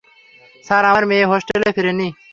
Sir, আমার মেয়ে হোস্টেলে ফিরে নি।